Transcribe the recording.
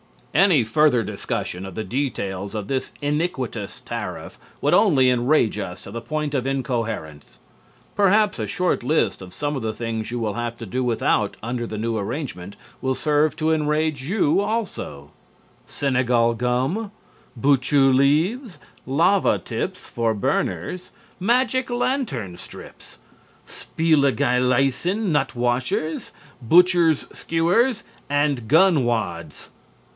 Any further discussion of the details of this iniquitous tariff would only enrage us to a point of incoherence. Perhaps a short list of some of the things you will have to do without under the new arrangement will serve to enrage you also: Senegal gum, buchu leaves, lava tips for burners, magic lantern strips, spiegeleisen nut washers, butchers' skewers and gun wads.